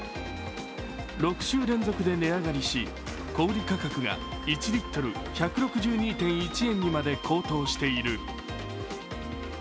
６週連続で値上がりし小売価格が１リットル当たり１６２．１円まで高騰している。